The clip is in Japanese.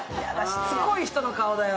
しつこい人の顔だよ。